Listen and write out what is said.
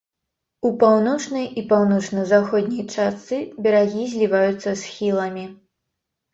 У паўночнай і паўночна-заходняй частцы берагі зліваюцца з схіламі.